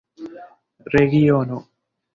regiono